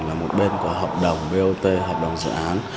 là một bên có hợp đồng bot hợp đồng dự án